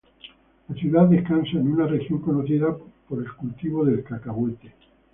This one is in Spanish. La ciudad descansa en una región conocida por el cultivo de cacahuete.